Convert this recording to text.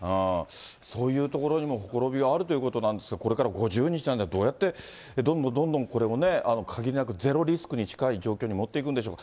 そういうところにもほころびはあるということなんですが、これから５０日の間に、どうやって、どんどんどんどん、これもね、かぎりなくゼロリスクに近い状況に持っていくんでしょうか。